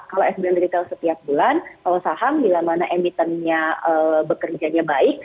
kalau sbn retail setiap bulan kalau saham bila mana emitennya bekerjanya baik